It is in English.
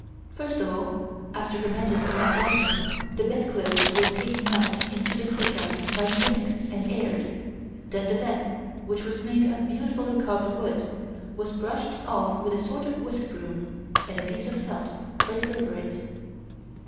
First of all, after Her Majesty had risen, the bedclothes were taken out into the courtyard by the eunuchs and aired, then the bed, which was made of beautifully carved wood, was brushed off with a sort of whiskbroom, and a piece of felt placed over it.